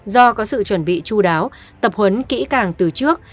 do có sự chuẩn bị chú đáo tập huấn kỹ càng từ trước